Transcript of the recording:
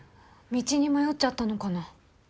道に迷っちゃったのかな。